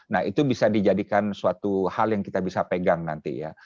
nah itu bisa dijadikan suatu hal yang kita bisa pegang nanti ya